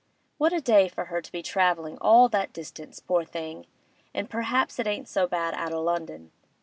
'What a day for her to be travelling all that distance, poor thing! But perhaps it ain't so bad out o' London.